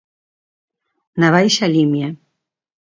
Na Baixa Limia.